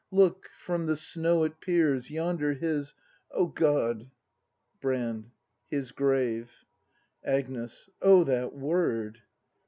] Look, from the snow it peers Yonder, his — O God Brand. His grave. Agnes. O that word